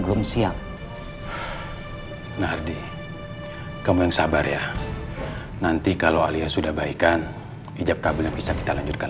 belum siap nah di kamu yang sabar ya nanti kalau alias sudah baikan ijab qabul bisa kita lanjutkan